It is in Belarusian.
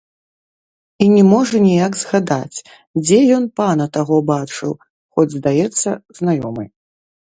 І не можа ніяк згадаць, дзе ён пана таго бачыў, хоць, здаецца, знаёмы.